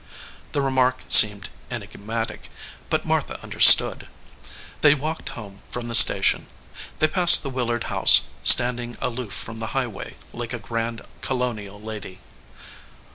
The remark seemed enigmatic, but Martha un derstood. They walked home from the station. They passed the Willard house, standing aloof from the highway like a grand Colonial lady.